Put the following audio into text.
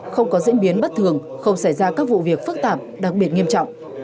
không có diễn biến bất thường không xảy ra các vụ việc phức tạp đặc biệt nghiêm trọng